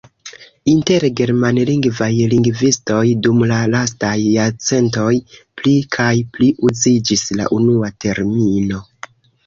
Inter germanlingvaj lingvistoj dum la lastaj jarcentoj pli kaj pli uziĝis la unua termino.